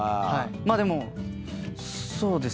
まあでもそうですね。